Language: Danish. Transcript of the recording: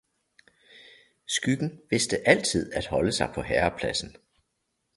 skyggen vidste altid at holde sig på herrepladsen.